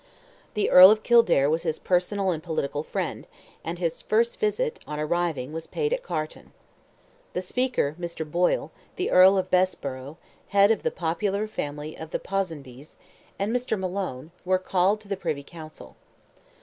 The Earl of Kildare was his personal and political friend, and his first visit, on arriving, was paid at Carton. The Speaker, Mr. Boyle, the Earl of Bessborough, head of the popular family of the Ponsonbys, and Mr. Malone, were called to the Privy Council.